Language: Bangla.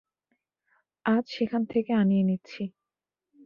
আজ সেখান থেকে আনিয়ে নিয়েছি।